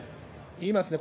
言いますね。